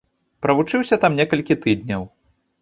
Правучыўся там некалькі тыдняў.